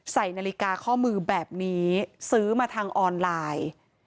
ใส่นาฬิกาข้อมือแบบนี้ซื้อมาทางออนไลน์